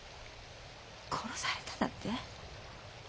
殺されただって？